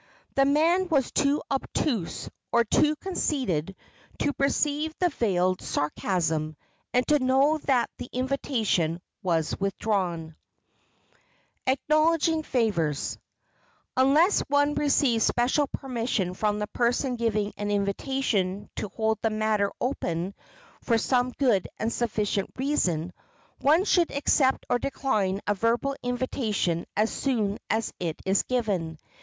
The man was too obtuse or too conceited to perceive the veiled sarcasm, and to know that the invitation was withdrawn. [Sidenote: ACKNOWLEDGING FAVORS] Unless one receives special permission from the person giving an invitation to hold the matter open for some good and sufficient reason, one should accept or decline a verbal invitation as soon as it is given.